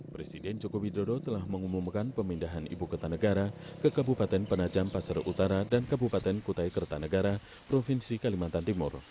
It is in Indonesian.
presiden joko widodo telah mengumumkan pemindahan ibu kota negara ke kabupaten penajam pasar utara dan kabupaten kutai kertanegara provinsi kalimantan timur